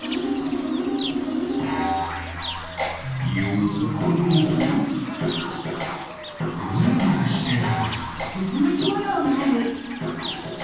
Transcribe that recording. よくみるとぐるぐるしてる。